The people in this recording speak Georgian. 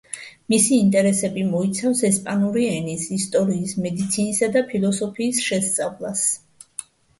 მისი ინტერესები მოიცავს ესპანური ენის, ისტორიის, მედიცინისა და ფილოსოფიის შესწავლას.